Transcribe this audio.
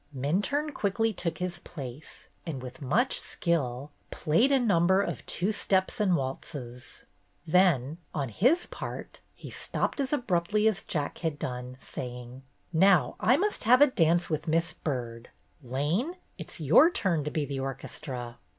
Minturne quickly took his place and, with much skill, played a number of two steps and waltzes. Then, on his part, he stopped as abruptly as Jack had done, saying: "Now I must have a dance with Miss Byrd. Lane, it's your turn to be the orchestra."